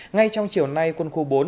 ngay trong chiều nay quân khu bốn